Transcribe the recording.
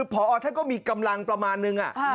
ผอเธอก็มีกำลังประมาณหนึ่ง